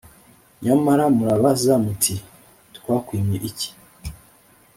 Nyamara murabaza muti ‘Twakwimye iki?